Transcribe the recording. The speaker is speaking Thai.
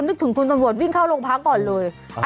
นึกถึงคุณตำรวจวิ่งเข้าโรงพักก่อนเลย